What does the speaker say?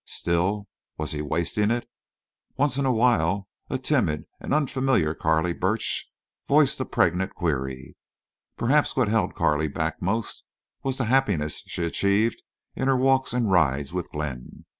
Still was he wasting it? Once in a while a timid and unfamiliar Carley Burch voiced a pregnant query. Perhaps what held Carley back most was the happiness she achieved in her walks and rides with Glenn.